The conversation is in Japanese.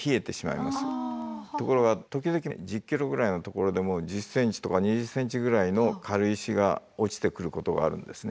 ところが時々１０ｋｍぐらいのところでも１０ｃｍとか２０ｃｍぐらいの軽石が落ちてくることがあるんですね。